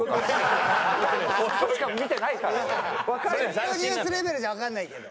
ネットニュースレベルじゃわかんないけど。